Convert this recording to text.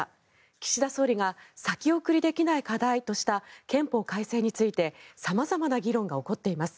岸田総理が先送りできない課題とした憲法改正について様々な議論が起こっています。